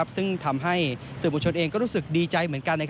ซึ่งทำให้สื่อมวลชนเองก็รู้สึกดีใจเหมือนกัน